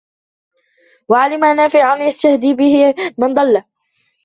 وَعِلْمٍ نَافِعٍ يَسْتَهْدِي بِهِ مَنْ ضَلَّ